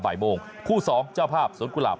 บ่ายโมงคู่สองเจ้าภาพสวนกุหลาบ